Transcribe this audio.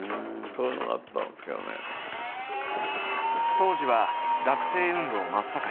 当時は学生運動真っ盛り。